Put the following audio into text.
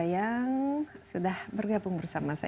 yang sudah bergabung bersama saya